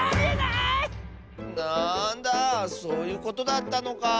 なんだそういうことだったのか。